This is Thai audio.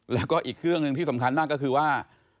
แล้วก็อีกเรื่องหนึ่งที่สำคัญมากก็คือว่า